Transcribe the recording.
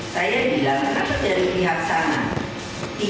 saya sudah bilang waduh gak buat ini